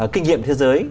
kinh nghiệm thế giới